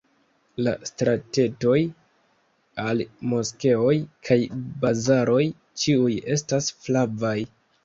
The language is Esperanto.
La stratetoj al moskeoj kaj bazaroj ĉiuj estas flavaj.